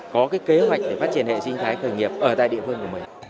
có kế hoạch để phát triển hệ sinh thái khởi nghiệp ở tại địa phương